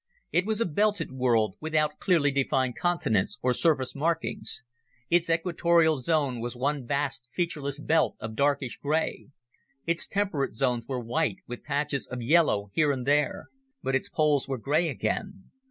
It was a belted world, without clearly defined continents or surface markings. Its equatorial zone was one vast, featureless belt of darkish gray. Its temperate zones were white, with patches of yellow here and there. But its poles were gray again.